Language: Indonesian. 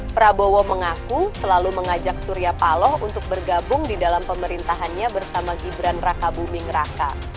prabowo mengaku selalu mengajak surya paloh untuk bergabung di dalam pemerintahannya bersama gibran raka buming raka